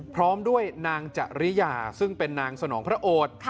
พร้อมด้วยนางจริยาซึ่งเป็นนางสนองพระโอด